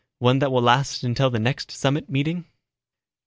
One that will last until the next summit meeting."